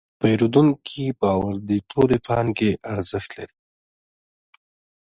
د پیرودونکي باور د ټولې پانګې ارزښت لري.